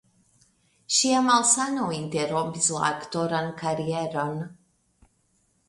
Ŝia malsano interrompis la aktoran karieron.